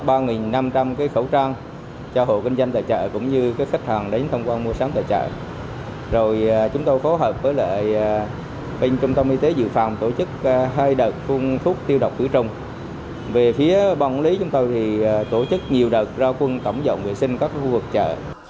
phát ba năm trăm linh khẩu trang cho hộ kinh doanh tại chợ cũng như các khách hàng đến thông quan mua sáng tại chợ rồi chúng tôi phối hợp với lại kênh trung tâm y tế dự phòng tổ chức hai đợt khuôn thuốc tiêu độc tử trung về phía bang quản lý chúng tôi thì tổ chức nhiều đợt ra quân tổng dọn vệ sinh các khu vực chợ